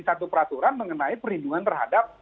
satu peraturan mengenai perlindungan terhadap